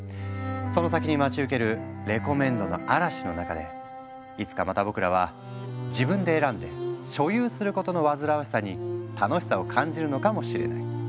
その先に待ち受けるレコメンドの嵐の中でいつかまた僕らは自分で選んで所有することの煩わしさに楽しさを感じるのかもしれない。